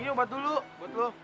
ini obat dulu buat lu